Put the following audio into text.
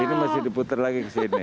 ini masih diputer lagi kesini